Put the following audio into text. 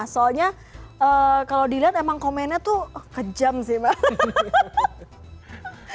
soalnya kalo dilihat emang komennya tuh kejam sih